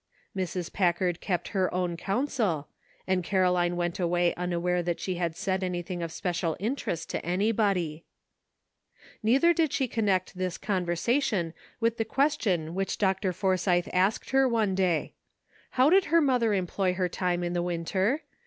Mrs. Packard kept her own counsel, and Caroline went away unaware that she had said anything of special interest to anybody. Neither did she connect this conversation with the question which Dr. Forsythe asked her one day. How did her mother employ her time in the winter?